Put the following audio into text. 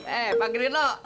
eh pak grilo